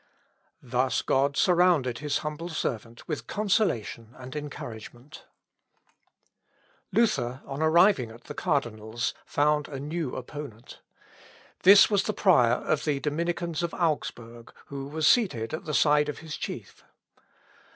Thus God surrounded his humble servant with consolation and encouragement. Seckend., p. 137. Luther, on arriving at the cardinal's, found a new opponent. This was the prior of the Dominicans of Augsburg, who was seated at the side of his chief.